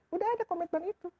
sudah ada komitmen itu